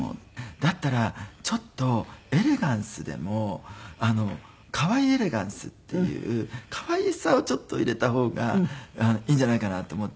だったらちょっとエレガンスでも可愛いエレガンスっていう可愛さをちょっと入れた方がいいんじゃないかなと思って。